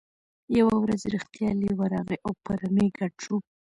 یوه ورځ رښتیا لیوه راغی او په رمې ګډ شو.